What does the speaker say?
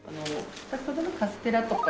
先ほどのカステラとか。